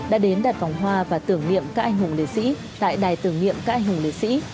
đã đến đặt vòng hoa và tưởng niệm các anh hùng liệt sĩ tại đài tưởng niệm các anh hùng liệt sĩ